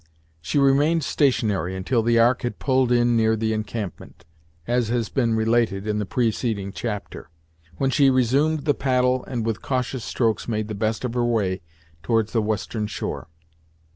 She remained stationary until the Ark had pulled in near the encampment, as has been related in the preceding chapter, when she resumed the paddle and with cautious strokes made the best of her way towards the western shore.